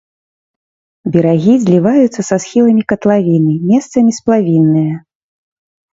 Берагі зліваюцца са схіламі катлавіны, месцамі сплавінныя.